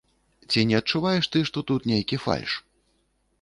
Ці не адчуваеш ты, што тут нейкі фальш?